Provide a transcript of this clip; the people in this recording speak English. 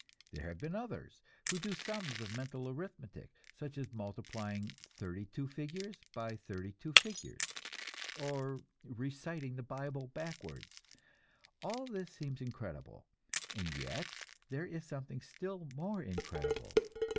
There have been others who do sums of mental arithmetic, such as multiplying thirty two figures by thirty two figures, or reciting the Bible backwards. All this seems incredible; and yet there is something still more incredible.